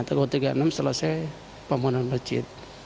tahun tiga puluh enam selesai pemohonan masjid